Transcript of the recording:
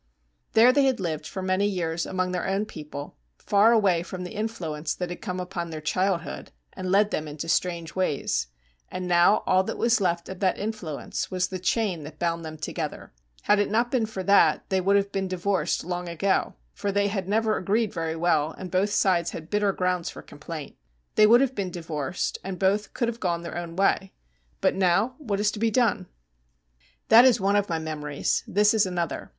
There they had lived for many years among their own people, far away from the influence that had come upon their childhood, and led them into strange ways. And now all that was left of that influence was the chain that bound them together. Had it not been for that they would have been divorced long ago; for they had never agreed very well, and both sides had bitter grounds for complaint. They would have been divorced, and both could have gone their own way. But now, what was to be done? That is one of my memories: this is another.